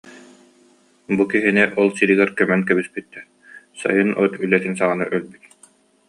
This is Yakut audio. Бу киһини ол сиригэр көмөн кэбиспиттэр, сайын от үлэтин саҕана өлбүт